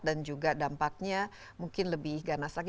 dan juga dampaknya mungkin lebih ganas lagi